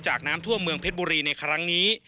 น้ำท่วมเมืองเพชรบุรีในครั้งนี้